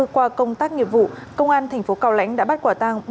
qua công tác nghiệp vụ công an tp cao lãnh đã bắt quả tàng